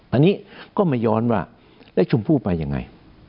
อันนี้ก็มาย้อนว่าแล้วชมพู่ไปยังไง